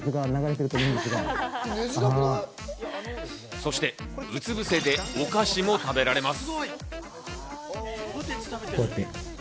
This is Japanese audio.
そして、うつぶせで、お菓子も食べられます。